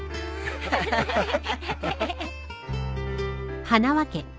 ハハハッ。